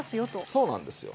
そうなんですよ。